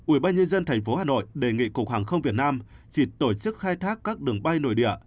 ubnd tp hà nội đề nghị cục hàng không việt nam chỉ tổ chức khai thác các đường bay nội địa